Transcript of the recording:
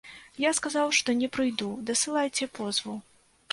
Я сказаў, што не прыйду, дасылайце позву.